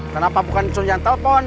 kenapa bukan cong yang telpon